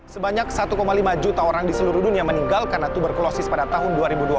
sebanyak satu lima juta orang di seluruh dunia meninggal karena tuberkulosis pada tahun dua ribu dua puluh